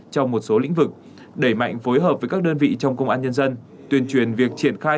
trong một số lĩnh vực đẩy mạnh phối hợp với các đơn vị trong công an nhân dân tuyên truyền việc triển khai